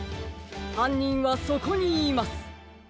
はんにんはそこにいます。